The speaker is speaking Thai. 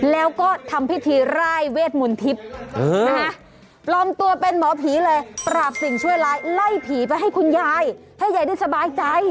แล้วก็ทำพิธีไล่เวทมนต์ทิพย์ปลอมตัวเป็นหมอผีเลยปราบสิ่งช่วยร้ายไล่ผีไปให้คุณยายให้ยายได้สบายใจ